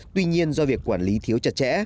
tuy nhiên do việc quản lý thiếu chặt chẽ